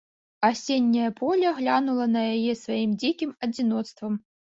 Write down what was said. Асенняе поле глянула на яе сваім дзікім адзіноцтвам.